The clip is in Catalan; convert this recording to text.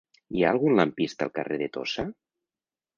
Hi ha algun lampista al carrer de Tossa?